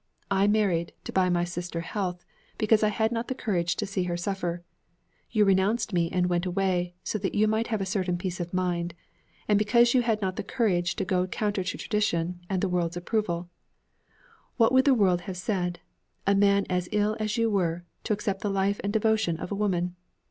I married, to buy my sister health, because I had not the courage to see her suffer. You renounced me and went away, so that you might have a certain peace of mind, and because you had not the courage to go counter to tradition and the world's approval. What would the world have said a man as ill as you were, to accept the life and devotion of a woman?